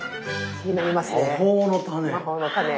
気になります。